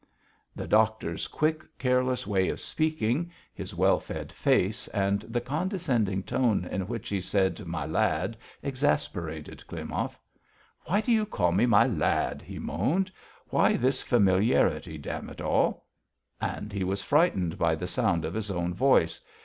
The doctor's quick, careless way of speaking, his well fed face, and the condescending tone in which he said "my lad" exasperated Klimov. "Why do you call me 'my lad'?" he moaned. "Why this familiarity, damn it all?" And he was frightened by the sound of his own voice.